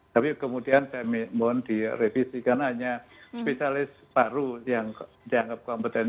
tapi kemudian saya mohon direvisikan hanya spesialis paru yang dianggap kompetensi